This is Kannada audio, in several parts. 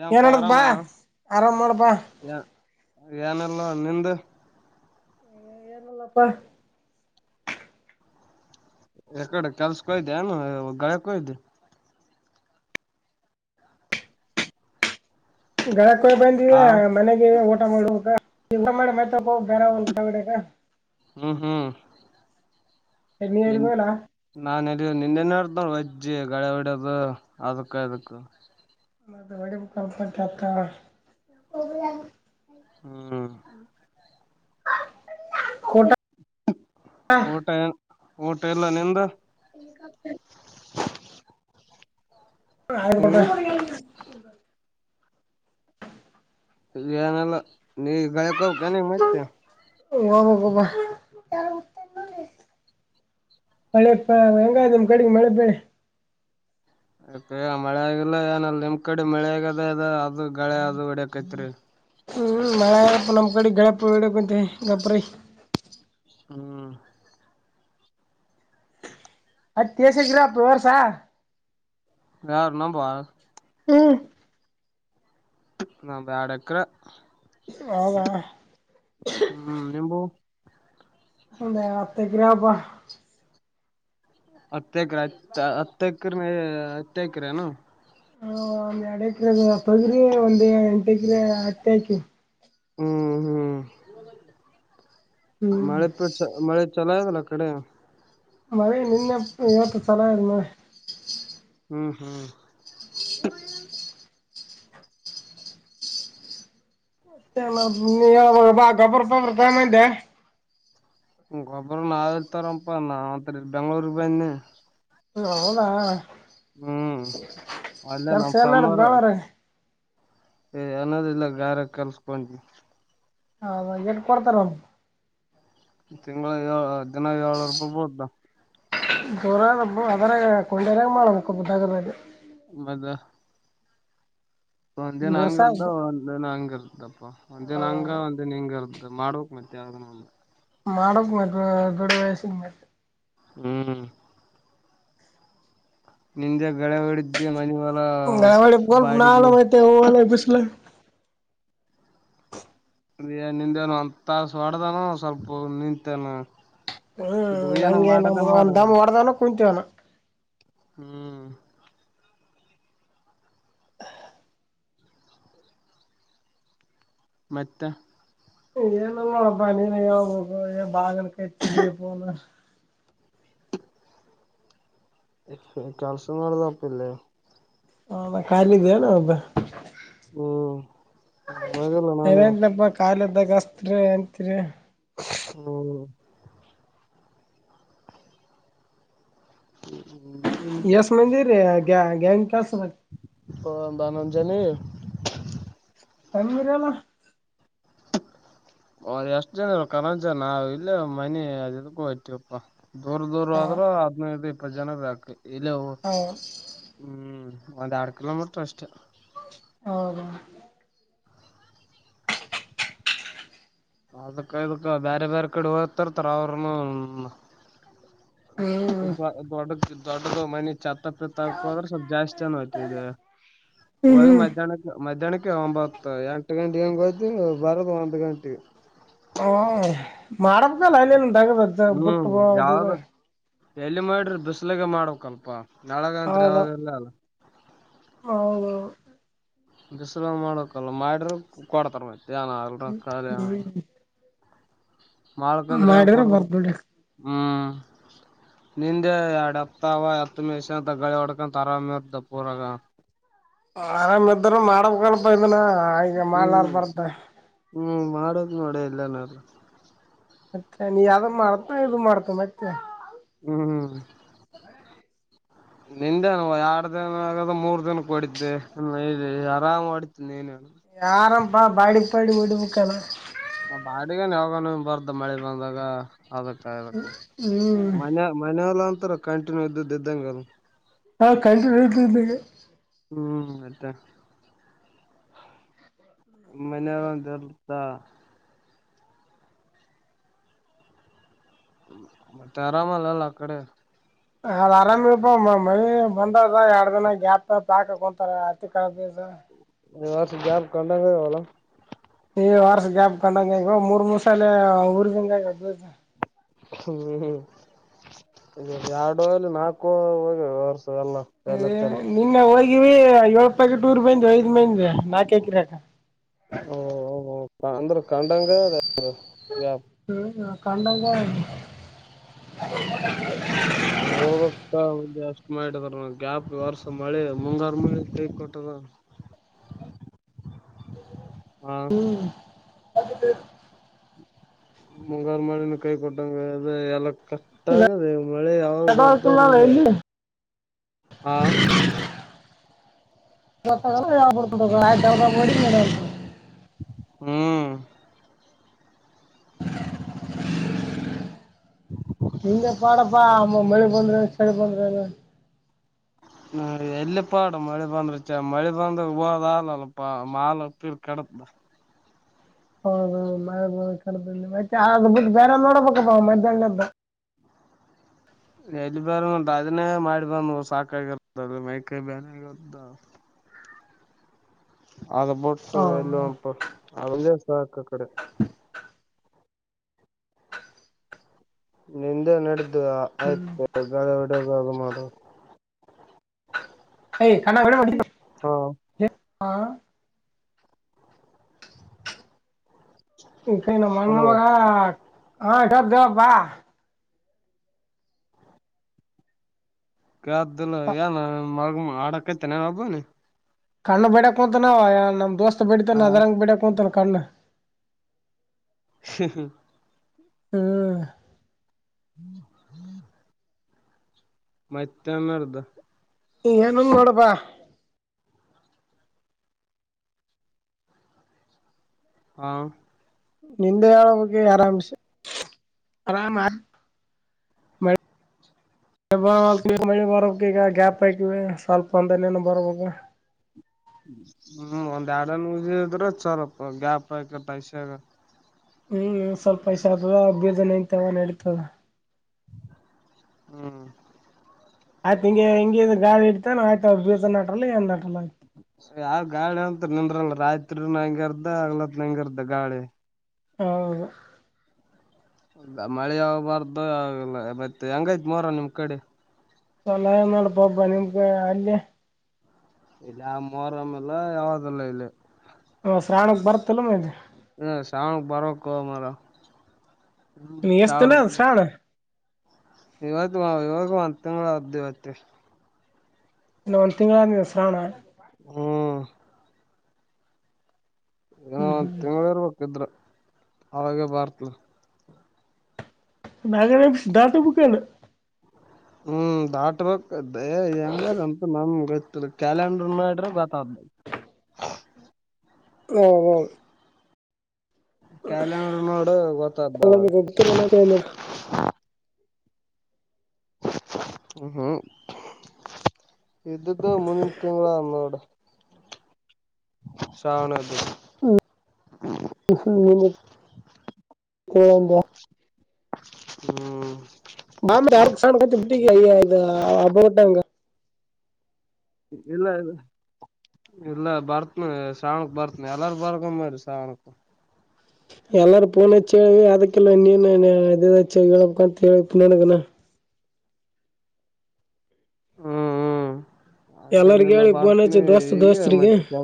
ಏನಪಾ ಏನ್ಡದ ಆರಾಮ ಬಾ ಆರಾಮ್ ಮಾಡಬಾ ಏನಲ್ಲವಾ ನಿಂದ ಲ್ಲಪ್ಪ ಯಕಡೆ ಕೆಲ್ಸಕೋಯ್ದೆ ಏನು ಗಳಕ್ಕಯ್ದೆ ಗಳ ಕೊಯ್ದು ಬಂದರ ಹಾ ಮನೆಗೆ ಒ ಊಟ ಮಾಡ ಊಟ ಮತೋಗ ಬೇರೆಗಡೆಗ ಹ್ಮ್ ಹ್ಮ್ [unintelligible] ನಿನ್ನೆನ್ ಮಾಡಡ್ತವ್ರ ವಜ್ಜಿ ಗಡೆ ಹೊಡೋದು ಅದಕ್ಕ ಇದಕ್ ಮದು ಹೊಡಿ ಮುಖಲ್ಪತ ಹ್ಮ್ ಊಟ ಊಟ ಊಟ ಇಲ್ಲ ನಿಂದು [inaudible] ಹ್ಮ್ [unintelligible] ಇಲಿ ಏನಿಲ್ಲ ನೀ ಕೇಳಿಕೆ ಹೋಗಬೇಕಾ ಮತ್ತೆ ಹೋಗಬೇಕಪ ಹೆಂಗೈತೇ ನಿಮ್ ಕಡೆ ಮಳೆ ಬೆಳೆ ಆಯ್ತ್ ಮಳೆ ಆಗಿಲ್ಲ ಏನ ನಿಮ್ ಕಡೆ ಮಳೆ ಆಗದ ಇದ ಅದು ಗಳೆ ಅದು ಹೊಡ್ಯಕೈತ್ರಿ ಹ್ಮ್ ಮಳೆ ನಮ್ಮ್ ಕಡೆ ಗೆಳಪು ಇಡಕ್ಕಂತ ಗಬ್ರ ಹ್ಮ್ ಅದತ್ಯೇಸಿಕ್ರ ವರ್ಸಾ ಯಾರ್ ನಾಮವ ಹ್ಮ ಒಂದ್ ಎರಡ್ ಎಕ್ರೆ ಹೌದಾ ಹ್ಮ್ ನಿಮ್ದು ನಮ್ದ ಹತ್ ಎಕರೆ ಅಪ್ಪ ಹತ್ತು ಎಕರೆ ಹತ್ ಹತ್ತ ಎಕರೆ ಹತ್ತು ಎಕರೆನು ಹ ಒ ಎಡಕಿರ ತೊಗರಿ ಒಂದ ಎಂಟಕ್ರ ಹತ್ತಿ ಅಕಿವಿ ಹ್ಮ್ ಹ್ಮ್ ಹ್ಮ್ [unintelligible] ಚಲೋಅದೇ ಅ ಕಡೆ ಮಳೆ ನಿನ್ನೆ ಇವತ್ತು ಚಲೋ ಮಳೆ ಹ್ಮ್ ಹ್ಮ್ [unintelligible] ಗಬರಬ ರಿಟೆಡ್ಮೆಂಟ್ ಗೊಬ್ಬರ ನಾವಲೇ ತಾರಪ್ಪ ನಾತ್ರ ಬೆಂಗಳೂರ್ ಬನ್ನಿ ಹ ಹೌದಾ ಹ್ಮ್ ಅಲ್ಲೇ ಕೆಲ್ಸ ಎಲ್ಲಡ್ದ್ ನ್ರ ಏ ಅನ್ನೋದಿಲ್ಲ ಗಾರ ಕಲ್ಸ್ಕೊಂಡ್ವಿ ಹದ ಎಷ್ಟು ಕೊಡ್ತಾರ ಅವನು ತಿಂಗಳ ದಿನ ಏಳ ರೂಪಾಯಿ ಬಹ್ದ ಗೌರಿ ಹಬ್ಬಗಳ ಅದರ ಕೊಂಡೆನಾಗ ಮಾಡಬೇಕಬ್ಬಡಗರೆ ಒಂದ್ನ್ ಹಂಗ ಇರ್ದ ಬಿರ್ಸಾದ್ದು ಒಂದನ್ ಹಂಗ ಇರ್ದಪ್ಪ ಒಂದನ ಹಂಗ ಒಂದೇನ್ ಹಿಂಗ ಇರ್ದು ಮಾಡ ಬೇಕು ಮತ್ತೆ ಯಾವ ಮಾಡಕ್ ಮೇ ಬಿಡೋ ವಯಸಿನ ಮ ಹ್ಮ್ ನಿಂದೆ ಬೇಳೆ ಹೊಡಿದ್ದೆ ಮನವ ನಾವಡಿ ಬಲ್ ನವಲಿ ಹೋಯಿತೀವಿ ಬಿಸಲ ಅ ನಿಂದೆನು ಅಂತಸ ಹೊಡ್ದಾನ ಸ್ವಲ್ಪ ನಿಂತೇನು ಹ್ಮ್ ನಂಗೆ ನ ಒಂದ ಮಾಡವನು ದಮ್ಮ್ ಹೊಡದವನ ಕುಂತವಾನ ಹ್ಮ್ ಹ ಮತ್ತೆ ಏನು ಮಾಡಪ್ಪ ನೀನೆ ಹೇಳ್ಬೇಕು ಹೇ ಬಾಗನ ಕಟ್ಟನ [unintelligible] ಕೆಲಸ ಮಾಡದೆ ತಪಲ್ಲ ಕಾಯಲಿದ್ದೇನ ಒಬ್ಬ ಹೋಗಿಲ್ಲ ನಾನು ಇವತ್ತು ನಪ್ಪ ಕಾಲ ಅದಾಗ ಹಸ್ತ್ರಿ ಅತ್ರಿ ಹ್ಮ ಯಸ್ ಮಂದೆ -ರೇ -ಗ -ಗ್ಯಾಂಗ ಕಸ್ ಹ -ಬಾನಂಜನೆ. ಕಮ್ಮ ಮರಲ್ಲ. ಹ ಹ -ಎಷ್ಟು ಜನ -ಇ- ಕರಂಚ ನಾವವು ಇಲ್ಲ ಮನೆ ಅದಕ್ಕೂ ಇತೀವಪ್ಪಾ ದೂರ ದೂರ ಹ ಆದ್ರೂ ಹದಿನೈದು ಇಪ್ಪತ್ತು ಜನಾಕ ಇಲ್ಲ ಹೌದ ಹ್ಮ್. ಒಂದ್ ಎರಡ್ ಕಿಲೋಮೀಟ್ರ ಅಷ್ಟೇ. ಹ ಅದಕ್ಕ ಅದಕ್ಕ ಬೇರೆ ಬೇರೆ ಕಡೆ ಹೋಗ್ತರ್ತಾರ ಅವ್ರನು. ಹ್ಮ್ ದ- ದೊಡ್ಡ ದೊಡ್ಡ ಮನೆ. ಚಛತ್ತ ಪಿತ್ತ ಹಾಕದ್ರೆ ಸ್ವಲ್ಪ ಜಾಸ್ತಿ ಅಏಯ್ತು ಇದೆ. ಹೋಗ ಹ್ಮ್ ಮಧ್ಯಾಹ್ನಕ್ಕೆ ಮಧ್ಯಾಹ್ನಕ್ಕೆ ಒಂಬತ್ತು ಎಂಟ ಗೆ. ಟಂಗಗೆಯ್ ಬರೋದು ಅಂದು ಗಂಟೆ. ಹ -ಮಾಡಬೇಕಲ್ಲ ಅಲ್ಲಿನ್ ತಗದ್ದ ಬುಟ್ಟ. ಹ್ಮ್ ಯಾವ್ದ ಎಲ್ಲಿ ಮಾಡ್ರಿ ಬಿಸ್ಲಗೆ ಮಾಡ್ಕ್ಲ್ಪ ನಾಳಗತ್ ಯಾವ್ದೂ ಇಲ ಅಲ್ಲ. ಹೌ ಬಸ್ರ ಮಾಡಕಲ್ಲ ಮಾಡ್ರ ಕೊಡ್ತಾರ ಮತ್ ಏನ ಅಲ್ರ ಹ್ಮ್ ಖಾಲ ಮಾಡಳಕಂದ್ರೆ ಏನ್ ಮಾಡಿದ್ರೆ ಬರ್ತ್ ಕೊಡದ್ರ- ಬಿಡಿ ಹ್ಮ್ ನಿಂದೆ ಎರಡ್ ಹತಾವ ಹತ್ತು ಮೇಷಂತಾಗಳಿ ಹೊಡ್ಕೊಂಡ ಆರಾಮ್ಯರ್ ದ ಪೂರಾಗ. ಆರಾಮ ಇದರುೂ ಮಾಡಬೇಕ ಅಲ್ಪ ಇದನ ಈಗ ಮಾಡಲಾರ ಹ್ಮ್ ಬರ್ತ. ಹ್ಮ್ -ಮಾಡದು ನೋಡ ಎಲ್ಲನಾರ. ಮತ್ತೆ -ನೀ -ಯಾವ್ದ ಮಾಡ್ತಾ ಇದು ಮಾಡ್ತ ಮತ್ತೆ. ಹ್ಮ್ ನಿಂದೆನು ಎರಡ್ ದಿನ ಆಗದ ಮೂರ್ ದನ ಹೊಡಿದ್ದೆ ಆರಾಮ್ ಹೊಡತ ನೀನು. ಯಾರಾಮಪಾ ಬಾಡಿ ಬಾಡಿ ವಡುಬ ಕಣ. ಬಾಡಗನ್ ಯಾವಾಗಾನ ಬರ್ ಮಳೆ ಬಂದಾಗ ಅದಕ್ಕ ಅದಕ್ಕ ಹ್ಮ್ ಮನೆ ಮನಲ್ಲ ಅಂತಾರ ಕಂಟಿನ್ಯೂ ಇದ್ದ್ದ ಇದಂಗ -ಅ- ಹಾ -ಕಲ್ತಿ ಇತಗೆ ಹ್ಮ್- ಅತ್ತಾ ಮನೆಯಂತರುತ. ಮತ್ತ ರಾಮಲ್ಲಲ್ಲ ಕಡೆ. ಅದ ಆರಾಮಪ ಮಳೆ ಬಂದದ ಎರಡ್ ದಿನ ಗ್ಯಾಪ್ ಪ್ಯಾಕ್ಂತಾರ ಅತಿ ಕಿವಸ. ಹೊ -ಜಾರ ಕಂಡಂಗ ಅವಲ ವಾರಷ ಗ್ಯಾಪ್ ಕಂಡಂಗ- ಇ -ಮೂರ್ ಮುಸಾಲೆ ಉರದಂಗ ಹ್ಮ್ -ಹ್ಮ್- ಎರಡುಲ್ಲಿ ನಾಲ್ಕು ಚಲ್ಲ ತಲ್ಲ ಓ ಓ [unintelligible] ಓ ಅಂದ್ರ ಕಂಡಂಗ -ಅ- ಕಂಡಗೆ. ಹ ಪಕ್ಕ ಮುಂದೆ ಅಷ್ಟ್ ಮಾಡದಾರ ನ್ಯಾಪ್ ವರ್ಸ ಮಳೆ ಮುಂಗಾರು ಮಳೆ ತೈ ಕೊಟ್ಟದ [unintelligible] ಆ ಹ್ಮ್ -ಹಾಗ ಮುಂಗಾರು ಮಾಡಿನ -ಕೈ -ಕೊಟ್ಟಂಗ ಅದ ಎಲ್ಲಕ್. ಕಟ್ಟಾಗದೆ ಮಳೆ ಯಾವಾಗ ಬಾರ್ದ ನಮಗೆ ಎಲ್ಲಿ ಹಾ ಗತ್ತ ಕ ಯಾಪಡ್ ಆಯಡಿ ಹ್ಮ್ ಹ್ಮ ನಿಂಗ ಪಾಡಪ್ಪಾಮ್ಮ ಮಳೆ ಬಂದ್ರ ಚಳ ಪನ್್ರೇ ಹ ಹ ಎಲ್ಲಿ ಪಾಡು ಮಳೆ ಬಂದ್ರೆ ಚ ಮಳೆ ಬಂದ ಹೋದಲ್ಲಲ್ಲ ಮಾಲ್ೀರ್ ಕಡತ ಹೌದ ಮ ಬೇರೆ ನೋಡಬೇಕಪ್ಪ ಮಧ್ಯಾಹ್ನದ್ದ [unintelligible] ಎಲ್ಲಿ ಬೇರೆ ಉಂಟ ಅದನ್ನೇ ಮಾಡಿ ಬಂದ ಸಾಕಾಗಿರತ್ತ ಅದು ಮೈಕೈ ಬೇರೆಗರುದ ಅದ ಬೊಟ್ಟ ಹ ಎಲ್ಲಪ ಅಸಕ ಕಡೆ ನಿಂದೆ ನಡೆದು ಹ್ಮ್ ಆಯ್ತು ಗಗಳ ಹಡಗಾಗ ಮಾಡುವರು ಯ್ ಕಣ್ಣಾ ವಿಡ ಹಾ ಹ ಈ ಕ ನ ಮ ಬ ಹಲೋ ಹಪ್ಪಾ ಕ್ದಲ್ಲ ಏನ್ ಮಗ ಮಾಡಡಕೈತೆ ನ ಹಬ್ಬನಿ ಕಣ್ಣು ಬಿಡಕ್ ಅಂತ ನಾವ ನಮ್ ದೋಸ್ತ್ ಬಿಡತ ನ ಅದರಂಗ್ ಬಿಡಕ್ ಅಂತ ಕಲ್ಲ ಹ ಹಾ ಹ್ಮ್ ಹ್ಮ್ ಹ್ಮ್ ಮತ್ತನ್ನರ್್ದ ಏನನ್ ನೋಡಬಾ ಹಾ ನಿಂದೆ ಹೇಳಳ ಹೋಗಿ ಆರಾಮಸ ಆರಾಮ ಮೆ ಬ ಈಗ ಗ್ಯಾಪ್ ಆಯತವಿ ಸ್ವಲ್ಪ ಒಂದನೇನ ಬರ್ಬಾಗ ಹ್ಮ್ ಒಂದ್ ಎರಡನ್ ಉಜಿದ್ರೆ ಚಲಪ ಗ್ಯಾಪ್ ಆಯಕ ಪಐಸೆಗ ಹ್ಮ್ ಸ್ವಲ್ಪ ಇಷ ಆದ ಬ್ಯಜನ್ ಇಂತವನ್ ಹೇತದ ಹ್ಮ್ ಆಯ್ತ ಹಿಂಗೆ ಹಂಗ ಗಾಳ ಇತಾನ ಆಯ್ತ ಅವ್ರ ಬೀಸ ನಟ್ರ ಏ ಸರಿ ಯ ಗಾಳ ನಿಂದ್ರಲ್ಲ ರಾಯತ್ರಿ ನಂಗರ್ದ ಆಗ್ಲತ್ ನಂಗಗೆ ಅರ್ದ ಗಾಳಿ ಹೌ ಮಳೆ ಆಬಾರ್ದು ಮತ್ತ ಹೆಂಗೈತ್ ಮರ ನಿಮ್ ಕಡೆ ಸಲಹಡಪಬ ನಿಮ್ಮ ಕಡೆ ಅಲ್ಲಿ ಇಲ್ಲಿ ಆ ಮೋರಮೆಲ್ಲ ಯಾವದಲ್ಲ ಇಲ್ಲಿ ಹ ಶ್ರಾವಾಣಕ್ ಬರ್ತ್ತಲ್ಲ ಮೆ ಹ್ಮ ಶಾವಣ ಬಾರೋ ಕ ಮರ ನೀ ಎಸ್ತ ನ ಶಾನ ಇವತ್ತು ಇವತ್ತು ಮತ್ತಂಗ್ದ ಪತ್ತೆ ಒ ತಿಂಗಗಳಿವಸರಣ ಹ್ಮ್ ಒ ತಿಂಗಳ ಇರ್ಬೇಕಿದ್ರ ಅವಾಗ ಬಾರ್ತ್ ನಗರ ದತ ಮುುಕನು ಹ್ಮ್ ದಾಟಬೇಕಕ್ ಹೆಂಗದಂತ ನಮ್ ಗ ಕ್ಯಾಲಂಡರ್ ನಡ್ರ ಗತ ಓ ಹಓ ಕ್ಯಾಲೆಂಡರ್ ನೋಡು ಗೊತ್ತ್ದ ಎಲ್ಲ ಗೊತ್ತಿರ ಮಾಮೂಲಿ ಹ್ಮ್ ಇದ್ದ್ದು ಮುಂದಿನ ತಿಂಗಳ ನೋಡು ಶಾವನದು ಹ್ಮ್ಮ ಕ ಹ್ಮ್ ಬಂಬ ಅವ ಸಾಣ ಕ ಬಿಟ್ಟ ಯ್ಯ ಇದು ಅಬ್ಬೋಗಟ್ಟಂಗ ಇಲ್ಲ ಇಲ್ಲ ಇಲ್ಲ ಬರ್ತ್ನ ಶ್ರಾವಣಕ್ ಬರ್ತ್ನ ಎಲ್ಲಾರು ಬರ್ಕ ಮರಿ ಶ್ರಾವಣಕ್ ಎಲ್ಲಾರು ಪಣ ಚಳ್ ಅದಕ್ಕೆಲ್ಲ ಇನ್ನ ಎಳಂತ ನನಣ ಹ್ಮ್ ಹ್ಮ್ ಎಲ್ಲರಿಗ ಹಂಗೇನೆಲ್ಲ ಹೇಳಿ ಫೋನ್ ಬಾರ್ತ್ನಿ ಹಚ್ಚಿ ದೋಸ್ತ್ ಈಗೆ ದೋಸ್ತ್ರಿಗೆ ಮತ್ತ ಕೆ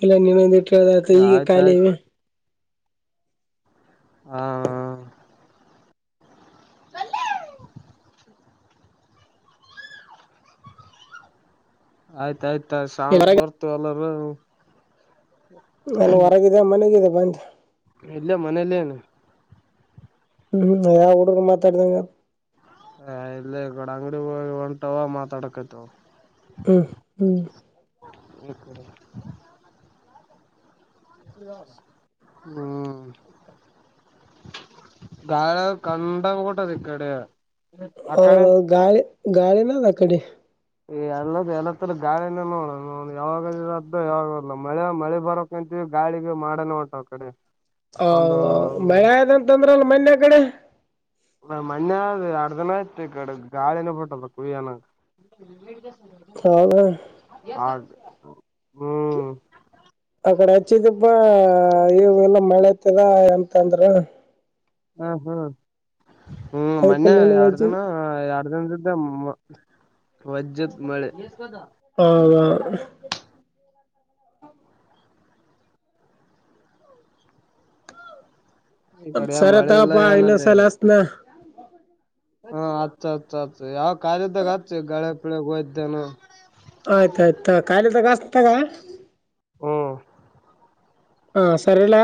ಅಲ್ಲ ನೀನೊಂದ ಇಟ್ಟದಯ್ತ ಈಗ ಖಾಲಿ ಆಯ್ತಾಯ್ತು ಹ ಬೆ ಆಯ್ತಾಯಯ್ತ ಇಲ್ಲಿ ಶಾವಣಕ್ ಹೊರಗ ಬರ್ತು ಎಲ್ಲರೂ ಅಲ್ಲಿ ಹೊರಗಿದೆ ಮನೆಗಿದೆ ಬಂದು ಇಲ್ಲ ಮನೇಲ್ಲೇ ನು ಹ್ಮ್ ಡುರ ಮಾತಾಡತಂಗ ಹ ಇಲ್ಲ ಕಡ ಅಂಗಡಿ ಒಂಟಾವ ಮಾತಾಡಕತ ಹ್ಮ್ ಹ್ಮ್ ಇಕ ಹ್ಮ್ ಗಾಳ ಕಂಡ ಕೊಟ್ಟದ ಕಡೆ ಆ ಕಡೆ ಹೌದೌದು ಗಾಳಿ ಗಾಳಿ ನ ತ ಕಡೆ ಈ ಎಲ್ಲದ ಎಲ್ಲತ್ತ ಗಾಳಿನ ನೋಡೋಣ ಯಾವಾಗ ಯಾವಾಗ ಮಳೆ ಮಳೆ ಬರಕಂತ ಗಾಳಿಗ ಮಾಡನ ಟ ಅವ್ ಕಡೆ ಹ ಒಂದು ಮಳೆ ಇಂತಂದ್ರ ಅಲ್ ಮನ್ಯ ಕಡೆ ಮಣ್ಣೆ ಅಣತ ಕಡೆ ಗಾಳಿನ ಪಟ್ಟದ ಕುಯ್ಯಣ ಹೌದಾ ಹ ಹ್ಮ್ ಕಡೆ ಹಚ್ಚಿದಿಬಾ ಇವುಲ್ಲ ಮಳೆ ಇತದ ಎಂತ ಅಂದ್ರ ಹ ಹ್ಮ್ ಹ್ಮ್ ಅದಕ್ಕೆ ಮೊನ್ನೆ ನಿನಗ ಎರ್ದಿನ ಹಚ್ಚಿದ್ ಪ್ರ ಸ್ದ ಮಜ್ಜದ ಮಾಡೆ ಹ ಈ ಕಡೆ ಸರ ಮಳೆ ಇಲ್ಲ ತಪ್ಪಾ ಇನ್ನ ಏನಲ್ಲ ಸಲ್ಷ್ಟನಾ ಹಾ ಅತ್ ಅತ್ ಅತ್ ಯಾವ ಕಾರದಾಗ ಆತ್ ಗಳೆ ಪಳಗ್ ಹೋಯ್ದೇನ ಆಯ್ತಾಯಯ್ತ ಖಿ ತಗಸ್ ತಗ ಹ್ಮ್ ಹಾ ಸರಿಲ್ಲ